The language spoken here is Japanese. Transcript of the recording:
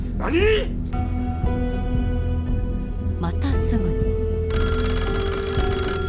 またすぐに。